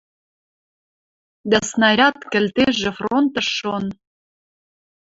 Дӓ снаряд-кӹлтежӹ фронтыш шон.